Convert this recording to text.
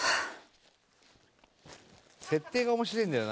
「設定が面白えんだよな